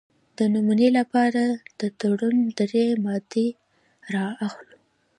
د نمونې لپاره د تړون درې مادې را اخلو.